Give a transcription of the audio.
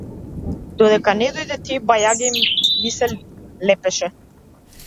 Додека не дојде ти, бајаги ми се лепеше.